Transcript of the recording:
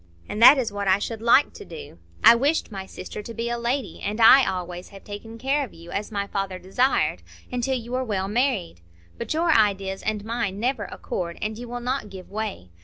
And that is what I should like to do. I wished my sister to be a lady, and I always have taken care of you, as my father desired, until you were well married. But your ideas and mine never accord, and you will not give way.